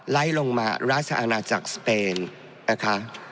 ไล่ลงมาราชอาณาจักรสเปนนะคะ